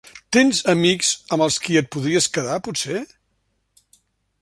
Tens amics amb els qui et podries quedar, potser?